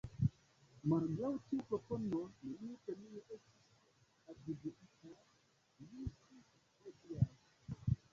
Malgraŭ tiu propono, neniu premio estis atribuita ĝis hodiaŭ.